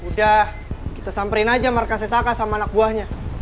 udah kita samperin aja marka sesaka sama anak buahnya